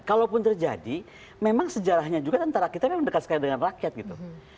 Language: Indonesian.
kalaupun terjadi memang sejarahnya juga tentara kita memang dekat sekali dengan rakyat gitu